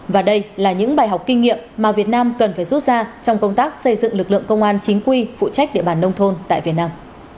và đây là những bài học kinh nghiệm mà việt nam cần phải rút ra trong công tác xây dựng lực lượng công an chính quy phụ trách địa bàn nông thôn tại việt nam